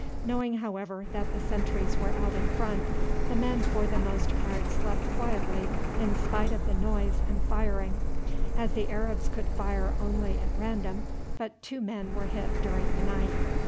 Knowing, however, that the sentries were out in front, the men for the most part slept quietly in spite of the noise and firing. As the Arabs could fire only at random but two men were hit during the night.